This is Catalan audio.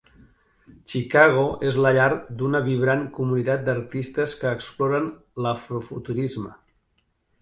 Chicago és la llar d'una vibrant comunitat d'artistes que exploren l'afro-futurisme.